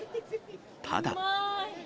ただ。